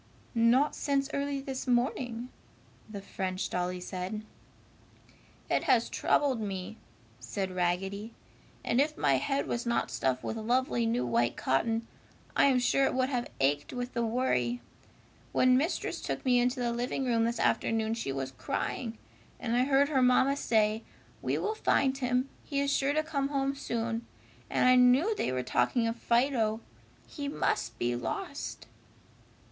"Not since early this morning," the French dolly said. "It has troubled me," said Raggedy, "and if my head was not stuffed with lovely new white cotton, I am sure it would have ached with the worry! When Mistress took me into the living room this afternoon she was crying, and I heard her mamma say, 'We will find him! He is sure to come home soon!' and I knew they were talking of Fido! He must be lost!"